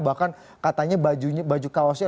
bahkan katanya baju kaosnya